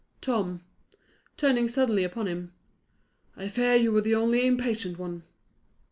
Tom," turning suddenly upon him, "I fear you were the only impatient one."